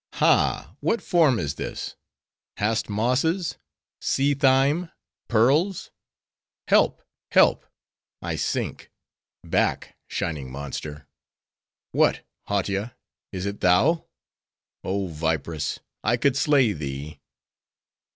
—Ha, what form is this?—hast mosses? sea thyme? pearls?—Help, help! I sink!—Back, shining monster!— What, Hautia,—is it thou?—Oh vipress, I could slay thee!"